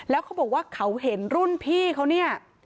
แล้วเขาบอกว่าเขาเห็นรุ่นพี่เขาเนี่ย